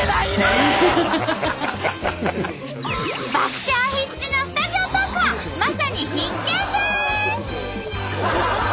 爆笑必至のスタジオトークはまさに必見です！